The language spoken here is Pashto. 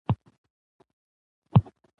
په افغانستان کې د بېلابېلو ښارونو منابع شته.